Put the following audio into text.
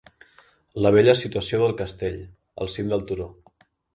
La bella situació del castell, al cim del turó.